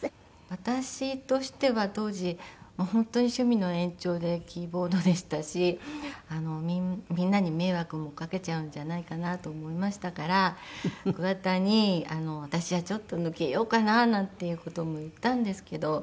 私としては当時本当に趣味の延長でキーボードでしたしみんなに迷惑もかけちゃうんじゃないかなと思いましたから桑田に「私はちょっと抜けようかな」なんていう事も言ったんですけど。